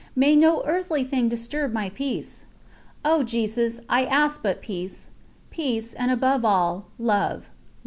May no earthly thing disturb my peace! "O Jesus, I ask but Peace. ... Peace, and above all, Love.